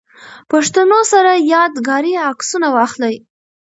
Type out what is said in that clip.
پښتنو سره ياد ګاري عکسونه واخلئ